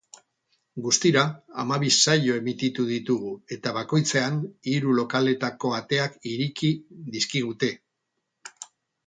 Guztira hamabi saio emititu ditugu eta bakoitzean hiru lokaletako ateak ireki dizkigute.